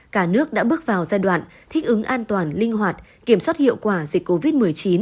cả nước đã bước vào giai đoạn thích ứng an toàn linh hoạt kiểm soát hiệu quả dịch covid một mươi chín